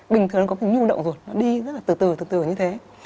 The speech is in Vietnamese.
bình thường nó có phần nhu động ruột nó đi rất là từ từ từ từ như thế